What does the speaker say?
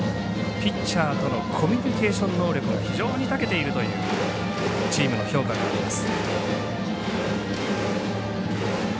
ピッチャーとのコミュニケーション能力が非常にたけているというチームの評価があります。